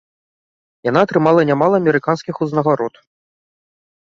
Яна атрымала нямала амерыканскіх узнагарод.